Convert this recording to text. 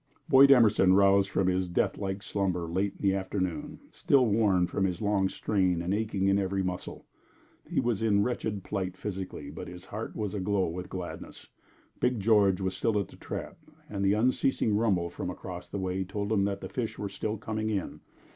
Boyd Emerson roused from his death like slumber late in the afternoon, still worn from his long strain and aching in every muscle. He was in wretched plight physically, but his heart was aglow with gladness. Big George was still at the trap, and the unceasing rumble from across the way told him that the fish were still coming in.